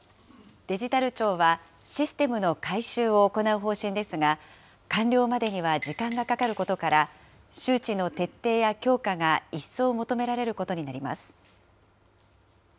デジタル庁は、システムの改修を行う方針ですが、完了までには時間がかかることから、周知の徹底や強化が一層求められることになります。